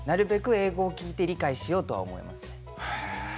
英語を聞いて理解しようと思います。